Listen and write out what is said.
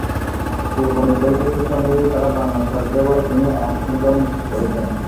পূর্বনির্ধারিত সূচি অনুযায়ীই তারা বাংলাদেশে আসবে বলে তিনি আনুষ্ঠানিকভাবে নিশ্চিত করেছেন।